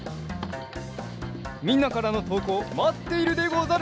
みんなからのとうこうまっているでござる。